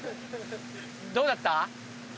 どうだった？